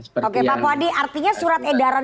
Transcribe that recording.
pak wadi artinya surat edaran